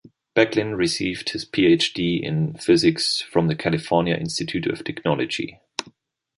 Becklin received his Ph.D. in physics from the California Institute of Technology.